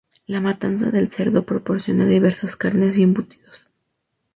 La matanza del cerdo proporciona diversas carnes y embutidos.